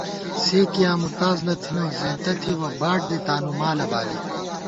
سےکِیاں مُوتاز نہ تھنہ، زېنتہ تھِبہ باڈ دی تانُومالہ بالی